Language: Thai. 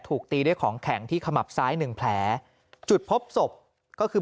ถูกตีด้วยของแข็งที่ขมับซ้ายหนึ่งแผลจุดพบศพก็คือ